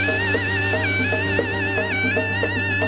mereka akan menjelaskan kekuatan mereka